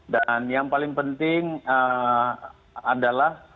dan yang paling penting adalah